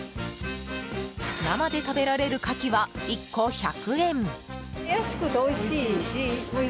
生で食べられるカキは１個１００円。